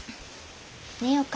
寝ようか。